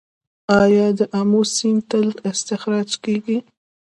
آیا د امو سیند تیل استخراج کیږي؟